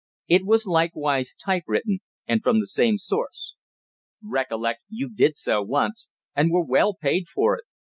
It was likewise type written, and from the same source. _"Recollect you did so once, and were well paid for it.